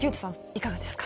いかがですか？